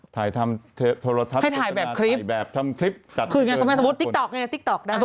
ถ่ายทำโทรทัศน์สุธนาถ่ายแบบคลิปคืออย่างไรสมมุติติ๊กต๊อกได้